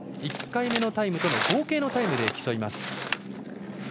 １回目のタイムとの合計のタイムで競います。